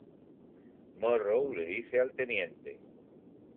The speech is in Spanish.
Morrow, le dice al Tte.